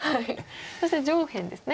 そして上辺ですね。